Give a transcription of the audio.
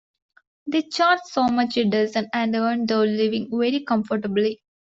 They charge so much a dozen, and earn their living very comfortably.